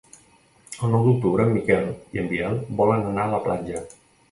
El nou d'octubre en Miquel i en Biel volen anar a la platja.